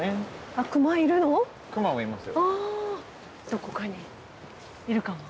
どこかにいるかも。